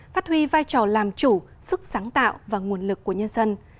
phát huy vai trò làm chủ sức sáng tạo và nguồn lực của nhân dân